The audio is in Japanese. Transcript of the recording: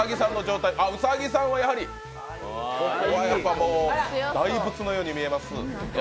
兎さんはやはりもう大仏のように見えます。